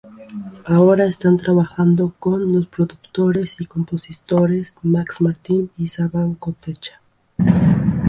Ahora están trabajando con los productores y compositores Max Martin y Savan Kotecha.